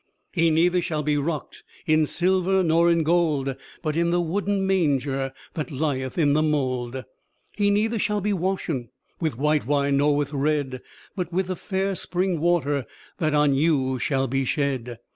"He neither shall be rockèd In silver nor in gold, But in the wooden manger That lieth in the mold. "He neither shall be washen With white wine nor with red, But with the fair spring water That on you shall be shed.